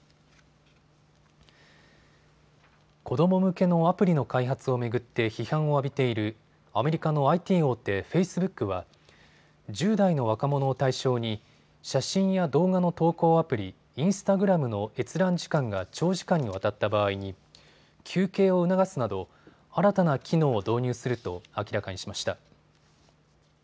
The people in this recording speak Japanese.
子ども向けのアプリの開発を巡って批判を浴びているアメリカのＩＴ大手、フェイスブックは１０代の若者を対象に写真や動画の投稿アプリ、インスタグラムの閲覧時間が長時間にわたった場合に休憩を促すなど新たな機能を導入すると明らかにしました。